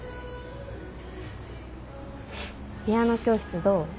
ピアノ教室どう？